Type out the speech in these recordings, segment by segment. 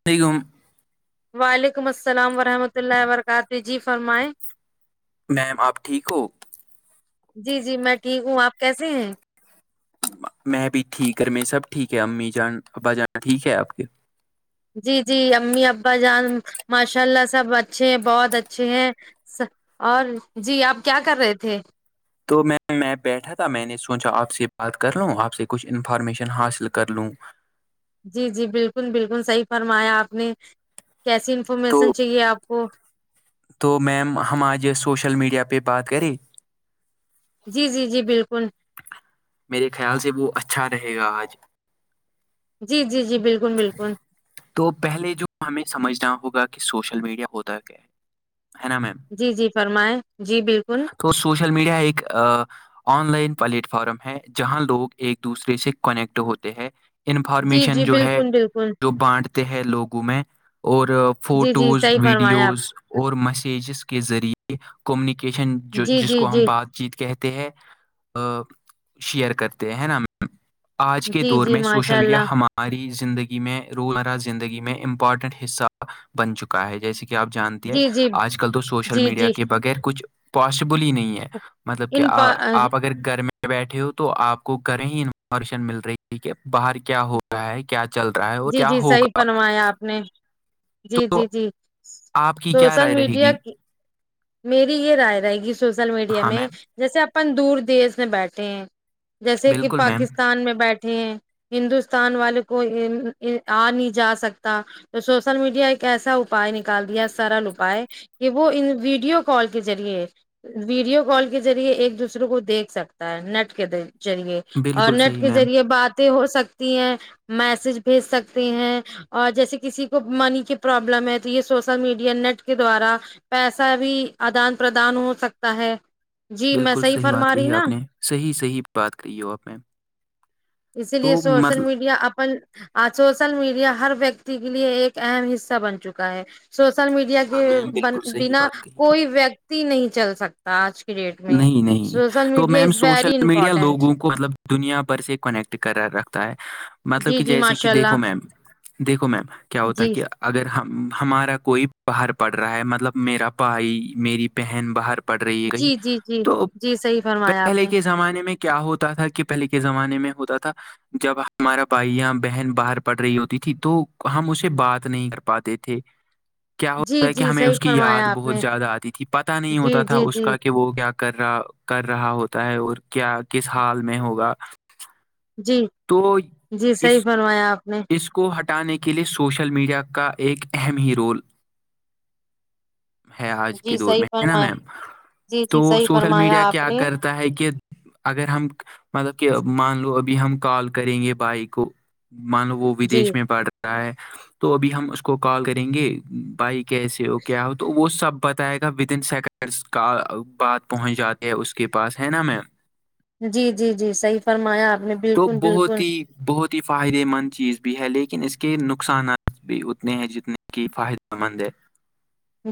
[unintelligible] وعلیکم السلام ورحمۃ اللہ وبرکاتہ جی فرمائے میم آپ ٹھیک ہو جی جی میں ٹھیک ہوں آپ کیسے ہیں میں بھی ٹھیک گ میں سب ٹھیک ہے امی جان ابا جان ٹھیک ہے آپ کے جی جی امی ابا جان ماشاء اللہ سب اچھے ہیں بہت اچھے ہیں اور جی آپ کیا کر رہے تھے تو میں میں بیٹھا تھا میں نے سوچا آپ سے بات کر لوں آپ سے کچھ انفارمیشن حاصل کر لوں جی جی بالکل بالکل صحیح فرمایا آپ نے کیسی تو انفارمیشن چاہیے آپ کو تو میم ہم آج سوشل میڈیا پہ بات کریں جی جی جی بالکل میرے خیال سے وہ اچھا رہے گا آج جی جی جی بالکل بالکل تو پہلے جو ہمیں سمجھنا ہوگا کہ سوشل میڈیا ہوتا ہے کیا ہے ہے نا میم جی جی فرمائیں جی بالکل تو سوشل میڈیا ایک آن لائن پلیٹ فارم ہے جہاں لوگ ایک دوسرے سے کنیکٹ ہوتے ہیں جی انفارمیشن جی جو ہے بالکل بالکل جو بانٹتے ہیں لوگوں میں اور جی جی فوٹوز صحیح فرمایا آپ ویڈیوز اور میسیجز کے ذریعے کمیونیکیشن جو جی جس جی کو ہم جی بات جیت کہتے ہیں شیئر کرتے ہیں نا آج کے جی دور جی میں ماشاء سوشل میڈیا اللہ ہم ہماری زندگی میں روزمرہ زندگی میں امپورٹنٹ حصہ بن چکا ہے جیسے کہ آپ جانتے ہیں جی جی آج کل تو سوشل جی میڈیا جی کے بغیر کچھ پاسبل ہی نہیں ہے مطلب کہ ان پ آ آپ اگر گھر میں بیٹھے ہو تو آپ کو گھر ہی انفارمیشن مل رہی ہے کہ باہر کیا ہو رہا ہے کیا چل رہا ہے اور جی کیا جی صحیح ہوگا فنمایا آپ نے جی تو جی جی آپ کی کیا سوشل رائے رہے میڈیا گی کی میری یہ رائے رہے گی سوشل میڈیا ہاں میں میم جیسے اپن دور دیش میں بیٹھے ہیں جیسے کہ بالکل میم پاکستان میں بیٹھے ہندوستان والے کو آ نہیں جا سکتا تو سوشل میڈیا ایک ایسا اپائے نکال دیا سرل اپپائے کہ وہ ان ویڈیو کال کے ذریعے ویڈیو کال کے ذریعے ایک دوسرے کو دیکھ سکتا ہے نیٹ کے ذریعے اور بالکل نیٹ صحیح کے میم ذریعے باتیں ہو سکتی ہیں میسج بھیج سکتے ہیں اور جیسے کسی کو منی کی پرابلم ہے تو یہ سوشل میڈیا نیٹ کے دوارا پیسہ بھی آدان پردان ہو سکتا ہے جی میں بالکل صحیح بات فرما رہی کہی ہے نا آپ نے صحیح صحیح بات کہی ہو آپ نے اسی لیے سوشل میڈیا اپن آ سوشل میڈیا ہر ویکتی کے لیے ایک اہم حصہ بن چکا ہے سوشل میڈیا ہاں کے میم بالکل صحیح بنا بات کہی آپ کوئی نے۔ ویکتی نہیں چل سکتا آج کی ڈیٹ میں نہیں نہیں سوشل تو media ma'am is social very media important لوگوں کو مطلب دنیا بھر سے کنیکٹ کر رکھتا ہے مطلب جی کہ جی جیسے ماشاء کہ اللہ دیکھو میم دیکھو میم کیا ہوتا ہے جی کہ اگر ہم ہمارا کوئی باہر پڑھ رہا ہے مطلب میرا بھائی میری بہن باہر پڑ رہی ہے کہیں جی جی جی تو جی صحیح فرمایا آپ پہلے نے کے زمانے میں کیا ہوتا تھا کہ پہلے کے زمانے میں ہوتا تھا جب ہمارا بھائیاں بہن باہر پڑ رہی ہوتی تھی تو ہم اسے بات نہیں کر پاتے تھے [unintelligible] کیا جی ہوتا ہے کہ جی ہمیں صحیح اس کی یاد فرمایا آپ بہت نے زیادہ آتی تھی پتہ نہیں جی ہوتا تھا جی اس جی کا کہ وہ کیا کر رہا کر رہا ہوتا ہے اور کیا کس حال میں ہوگا جی تو جی صحیح اس بنوایا آپ نے اس کو ہٹانے کے لیے سوشل میڈیا کا ایک اہم ہی رول ہے آج جی کے دور صحیح میں ہے نا فرمایا میم جی جی تو صحیح سوشل فرمایا میڈیا آپ کیا نے کر ہے کہ اگر ہم مطلب کہ مان لو ابھی ہم کال کریں گے بھائی کو مان وہ جی ودیش میں پڑ رہا ہے تو ابھی ہم اس کو کال کریں گے بھائی کیسے ہو کیا ہو تو وہ سب پت آ گا ودن سیکنڈس کا بعات پہنچ جاتے ہے اس کے پاس ہے نا میم جی جی جی صحیح فرمایا آپ نے تو بالکل بہت بالکل ہی بہت ہی فائدے مند چیز بھی ہے لیکن اس کے نقصانات بھی اتنے ہیں جتنے کی فائدہ مند ہے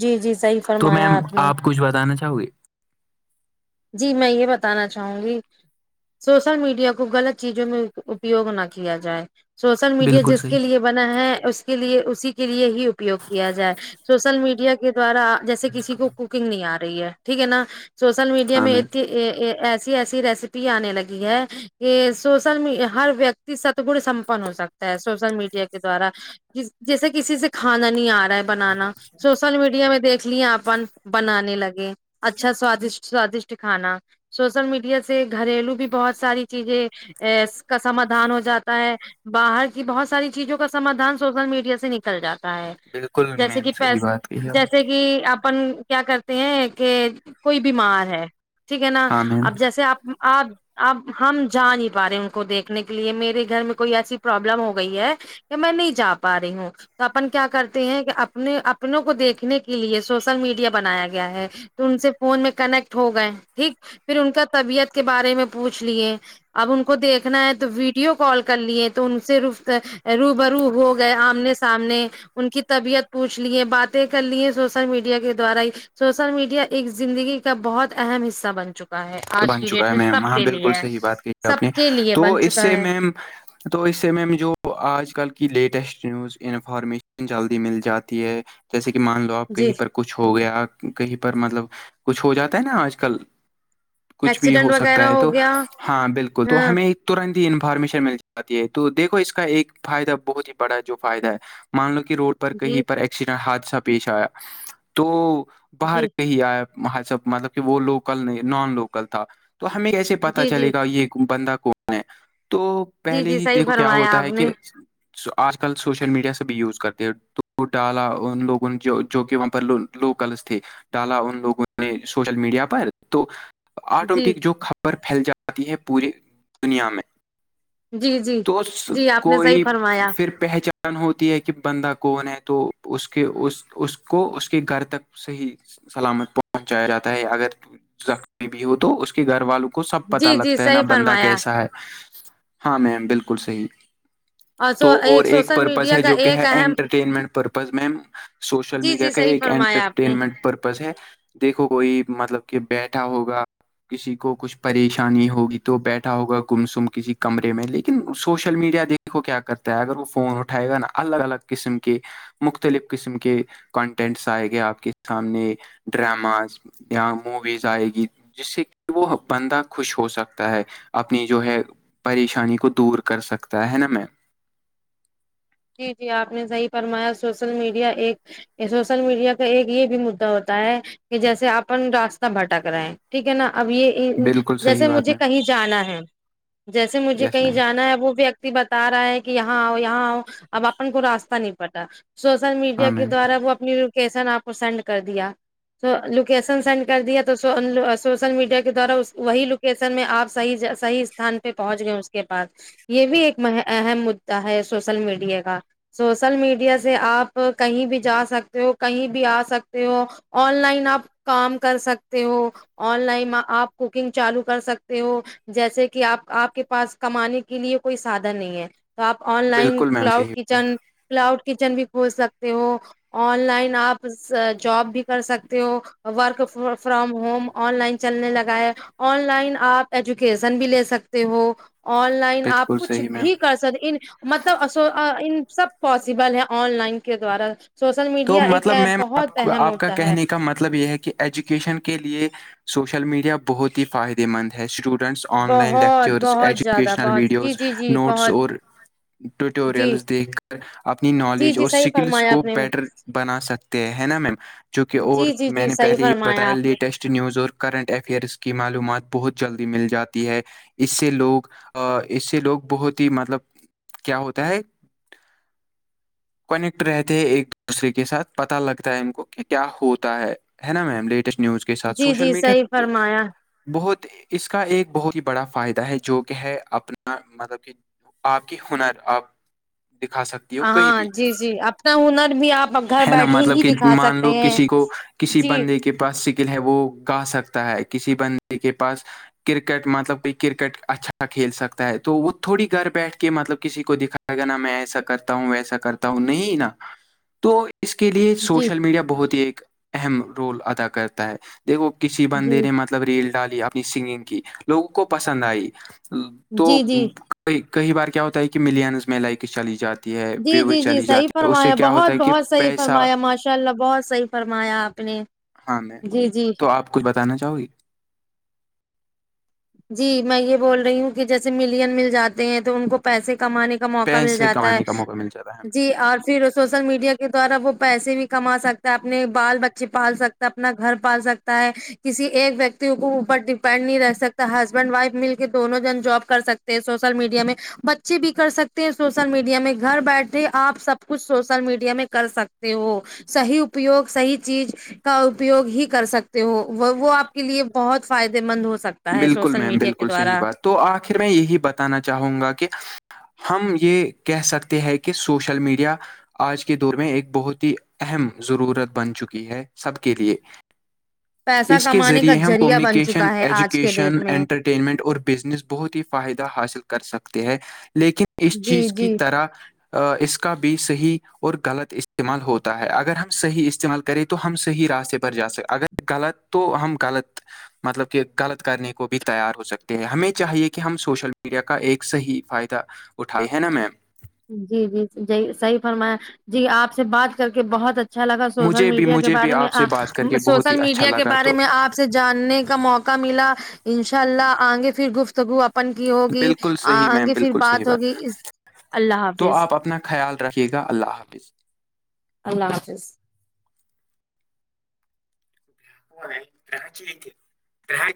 جی جی صحیح تو فرمایا میم آپ نے کچھ بتانا چاہو گے جی میں یہ بتانا چاہوں گی سوشل میڈیا کو غلط چیزوں میں اپیوگ نہ کیا جائے سوشل میڈیا بالکل جس صحیح کے لیے بنا ہے اس کے لیے اسی کے لیے ہی اپیوگ کیا جائے سوشل میڈیا کے دوارا جیسے کسی کو کوکنگ نہیں آ رہی ہے ٹھیک ہے نا سوشل میڈیا ہاں میں میم ا ایسی ایسی ریسیپی آنے لگی ہے یہ سوشل م ہر ویکتی سدگن سمپن ہو سکتا ہے سوشل میڈیا کے دوارا جیسے کسی سے کھانا نہیں آ رہا ہے بنانا سوشل میڈیا میں دیکھ مھلیا اپن بنانے لگے اچھا سوادشٹ سوادشٹ کھانا سوشل میڈیا سے گھریلو بھی بہت ساری چیزیں ا کا سمادھان ہو جاتا ہے باہر کی بہت ساری چیزوں کا سمادھان سوشل میڈیا سے نکل جاتا ہے بالکل جیسے میم کہ صحیح پیس بات کہی آپ جیسے کہ کہ اپن کیا کرتے ہیں کہ کوئی بیمار ہے ٹھیک ہے نا ہاں میم اب جیسے آپ آپ اب ہم جا نہیں پا رہے ان کو دیکھنے کے لیے میرے گھر میں کوئی ایسی پروابلم ہو گئی ہے کہ میں نہیں جا پا رہی ہوں تو اپن کیا کرتے ہیں کہ اپنے اپنوں کو دیکھنے کے لیے سوشل میڈیا بنایا گیا ہے تو ان سے فون میں کنیکٹ ہو گئے ٹھیک پھر ان کا طبیعت کے بارے میں پوچھ لیے اب ان کو دیکھنا ہے تو ویڈیو کال کر لیے تو ان سے ر رو برو ہو گئے آمنے سامنے ان کی طبیعت پوچھ لی ہے باتیں کر لی ہیں سوشل میڈیا کے دوارا ہی سوسل میڈیا ایک زندگی کا بہت اہم حصہ بن چکا ا ہے آج بن کی چکا ڈیٹ ہے میں سب میم ہاں کے بالکل لیے صحیح بات کہی آپ نے سب کے لیے تو بن اس چکا سے ہے میم تو اس س میںم جو آج کل کی لیٹسٹ نیوز انفارمیشن جلدی مل جاتی ہے جیسے کہ مان لو آپ جی کہیں پر کچھ ہو گیا کہیں پر مطلب کچھ ہو جاتا ہے نا آج کل کچھ بھی ایکسیڈنٹ ہو وغیرہ سکتا ہے ہو تو گیا ہاں بالکل تو ہاں ہمیں ترنت ہی انفارمیشن مل جاتی ہے تو دھو اس کا ایک فائدہ بہت ہی بڑا جو فائدہ ہے مان لو کہ روڈ پر کہیں جی پر ایکسیڈنٹ حادثہ پیش آیا تو باہر جی کہیں آیا اں سب مطلب کہ وہ لوکل نہیں نان لوکل تھا تو ہمیں کیسے پتا جی جی چلے گا یہ بندہ کون ہے تو جی پہلے جی ہی صحیح دیکھو کیا فرمایا ہوتا آپ ہے کہ نے آج کل سوشل میڈیا سے بھی یوز کرتے ہیں تو ڈالا ان لوگوں نے جو جو کہ وہاں پر لوکلس تھے ڈالا ان لوگوں نے سوشل میڈیا پر تو جی آٹومیٹک جو خبر پھیل جاتی ہے پورے دنیا میں جی جی توس جی آپ نے صحیح کوئی فرمایا پھر پہچان ہوتی ہے کہ بندہ کون ہے تو اس کے اس کو اس کے گھر تک صحیح سلامت پہنچایا جاتا ہے اگر بھی ہو تو اس کے گھر والوں کو سب پت جی جی لگتا ہے نا صحیح بندہ فرمایا کیسا ہے ہاں میم بالکل صحیح تو اور ایک سوشل پرپز میڈیا ہے کا جو کہ ایک ہے اہم انٹرٹینمنٹ پرپز میم سوشل جی میڈیا جی کا صحیح ایک فرمایا آپ نے انٹرٹینمنٹ پرپز ہے دیکھو کوئی مطلب کہ بیچ اھا ہوگا کسی کو کچھ پریشانی ہوگی تو بیٹھا ہوگا گمسم کسی کمرے میں لیکن سوشل میڈیا دیکھ دیکھو کیا کرتا ہے اگر وہ فون اٹھائے گا نا الگ الگ قسم کے مختلف قسم کے کنٹینٹس آئے گئے آپ کے سامنے ڈراماز یااں موویز جائے گی جس سے کہ وہ بندہ خوش ہو سکتا ہے اپنی جو ہے پریشانی کو دور کر سکتا ہے ہے نا میم جی جی آپ نے صحیح فرمایا سوشل میڈیا ایک یہ سوشل میڈیا کا ایک یہ بھی مدعا ہوتا ہے کہ جیسے آپن راستہ بھٹک رہا ہے ٹھیک ہے نا اب یہ بالکل صحیح جیسے بات مجھے میم کہیں جانا ہے جیسے مجھے یس کہیں میم جانا ہے وہ بھی بتا رہا ہے کہ یہاں آؤ یہاں آؤ اب اپن کو راستہ نہیں پٹا سوشل میڈیا ہاں کے میم دوارا وہ اپنی لوکیشن آپ کو سینڈ کر دیا تو لوکیشن سینڈ کر دیا تو سوشل میڈیا کے دوارا وہی سر میں آپ صحی صح استھان پہ پہنچ گئے اس کے پاس یہ بھی ایک اہم مدعا ہے سوشل میڈیا کا سوشل میڈیا سے آپ کہیں بھی جا سکتے ہو کہیں بھی آ سکتے ہو آن لائن آپ کام کر سکتے ہو آن لائن آپ کوکنگ چالو کر سکتے ہو جیسے کہ آپ آپ کے پاس کمانے کے لیے کوئی سادھن نہیں ہے تو آپ آن لائن بالکل میم کلاؤڈ صحیح کچن کلاؤڈ کچن بھی کھول سکتے ہو آن لائن آپ جاب بھی کر سکتے ہو work from home online چلنے لگا ہے آن لائن آپ ایجوکیشن بھی لے سکتے ہو آن لائن آپ بالکل کچھ صحیح میم بھی کر سک ان مطلبو ان سب پاسبل ہے آن لائن کے دوارا سوشل تو میڈیا ایک مطلب ایپ میم آپ بہت کو اہم آپ کا ہوتا ہے کہنے کا مطلب یہ ہے کہ ایجوکیشن کے لیے سوشل میڈیا بہت ہی فائدے مند ہے اسٹوڈنٹس آن لائن بہت لیکچرز بہت زیادہ ایجوکیشنل بہت جی ویڈیوز جی جی نوٹس بہت اور جی ٹیوٹوریلز دیکھ کر اپنی جی نالج جی اور صحیح سکلس فرمایا کو آپ نے بیٹر بنا سکتے ہیں ہے نا میم جو کہ اور جی جی میں جی نے صحیح پہلے یہ فرمایا بتایا آپ نے لیٹسٹ اسٹ نیوز اور کرنٹ افیئرس کی معلومات بہت جلدی مل جاتی ہے اس سے لوگ اس سے لوگ بہت ہی مطلب کیا ہوتا ہے کونیکٹ رہتے ہیں ایک دوسرے کے ساتھ پتا لگتا ہے ان کو کہ کیا ہوتا ہے نا میم لیٹسٹ نیوز کے ساتھ جی سوشل جی صحیح میڈیا فرمایا بہت اس کا ایک بہت ہی بڑا فائدہ ہے جو کہ ہے اپنا مطلب کہ آپ کی ہنر آپ دکھا سکتے ہاں جی جی اپنا ہنر بھی آپ گھر ہے نا بیٹھے مطلب ہی کہ دکھا مان سکتے لو ہیں کسی کو کسی جی بندے کے پاس س ہے وہ گا سکتا ہے کسی بندے کے پاس کرکٹ مطلب کہ کرکٹ اچھا کھیل سکتا ہے تو وہ تھوڑی گھر بیٹھ کے مطلب کسی کو دکھا نا میں ایسا کرتا ہوں ویسا کرتا ہوں نہیں نا تو اس کے لیے جی سوشل میڈیا بہت ہی ایک اہم رول ادا کرتا ہے دیکھو کسی جی بندے نے مطلب ریل ڈالی اپنی سنگنگ کی لوگوں کو پسند آئی تو جی جی کئی بار کیا ہوتا ہے کہ ملینز میں لائ کے چلی جاتی ہے جی وےو جی جی چلی صحیح جاتی ہے اس سے فرمایا کیا ہوتا بہت ہے کہ بہت صحیح پیسہ فرمایا ماشاء اللہ بہت صحیح فرمایا آپ نے ہاں میم جی جی تو آپ کچھ بتانا چاہ گی جی میں یہ بول رہی ہوں کہ جیسے ملین مل جاتے ہیں تو ان کو پیسے کمانے کا موقع مل پیسے جاتا کمانے کا موقع مل جاتا ہے جی اور ہمیں پھر اس سوسل میڈیا کے دوارا وہ پیسے بھی کما سکتا ہے اپنے بال بچے پال سکتا ہے اپنا گھر پال سکتا ہے کسی ایک ویکتی کو اوپر ڈپینڈ نہیں رہ سکتا ہسبینڈ وائف مل کے دونوں جن جاب کر سکتے ہیں سوشل میڈیا میں بچے بھی کر سکتے ہیں سوشل میڈیا میں گھر بیٹھے آپ سب کچھ سوشل میڈیا میں کر سکتے ہو صحیح اپپیوگ صحیح چیز کا اپیوگ ہی کر سکتے ہو وہ آپ کے لیے بہت فائدے مند ہو سکتا ہے بالکل سوشل میم میڈیا کے بالکل صحیح دوارا بات تو آخر میں یہی بتانا چاہوں گا کہ ہم یہ کہہ سکتے ہیں کہ سوشل میڈیا آج کے دور میں ایک بہت ہی اہم ضرورت بن چکی ہے سب کے لیے پیسہ اس کے کمانے کا ذریعے ہم ذریعہ بن کمیونیکیشن چکا ہے ایجوک آج کے شن ڈیٹ میں انٹرٹینمنٹ اور بزنس بہت ہی فائدہ حاصل کر سکتے ہیں لیکن اس جی چیز کی جی طرح اس کا بھی صحیح اور غلط استعمال ہوتا ہے اگر ہم صحیح استعمال کریں تو ہم صحیح راستے پر جا سکتے اگر غلط تو ہم غلط مطلب کہ غلط کرنے کو بھی تیار ہو سکتے ہیں ہمیں چاہیے کہ ہم سوشل میڈیا کا ایک صحیح فائدہ اٹھائی ہے نا میں جی جی جی صحیح فرمایا جی آپ سے بات کر کے بہت اچھا اچھا لگا سوشل مجھے بھی میڈیا کے مجھے بھی بارے آپ سے بات کر میںپ کے بہت سوشل ہی اچھا میڈیا کے لگا بارے تو میں آپ سے جاننے کا موقع ملا انشاء اللہ آئ گے پھر گفتگو پن کی ہوگی بالکل صحیح میم گے پھر بالکل صحیح بات ہوگی اس اللہ تو حافظ آپ اپنا خیال رکھیے گا اللہ حافظ اللہ حافظ راچی [unintelligible]